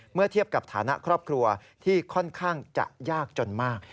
เมื่อเทียบกับฐานะครอบครัวที่ค่อนข้างจะยากจนมาก